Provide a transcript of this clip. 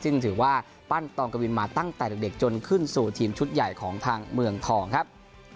ซึ่งถือว่าปั้นตองกวินมาตั้งแต่เด็กจนขึ้นสู่ทีมชุดใหญ่ของทางเมืองทองครับ